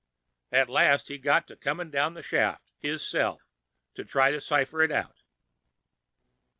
At last he got to comin' down in the shaft, hisself, to try to cipher it out.